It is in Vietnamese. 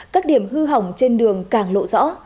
các điểm hư hỏng trên đường càng lộ rõ